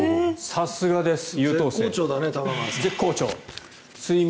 さすがです。